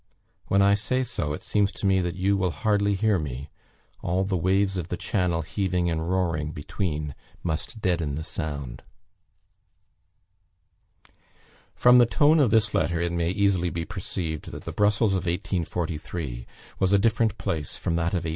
When I say so, it seems to me that you will hardly hear me; all the waves of the Channel heaving and roaring between must deaden the sound." From the tone of this letter, it may easily be perceived that the Brussels of 1843 was a different place from that of 1842.